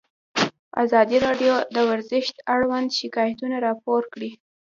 ازادي راډیو د ورزش اړوند شکایتونه راپور کړي.